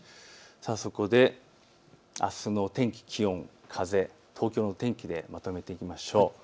そこであすの天気、気温、風、東京の天気でまとめていきましょう。